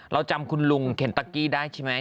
เราจำคุณลุงเคนตะกี้ได้ใช่ไหม